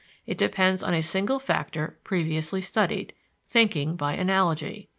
It depends on a single factor previously studied thinking by analogy.